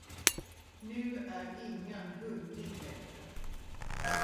Nu är ingen hungrig längre.